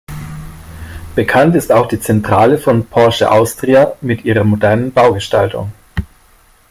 Bekannt ist auch die Zentrale von "Porsche Austria" mit ihrer modernen Baugestaltung.